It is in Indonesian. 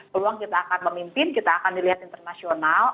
peluang kita akan memimpin kita akan dilihat internasional